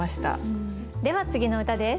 では次の歌です。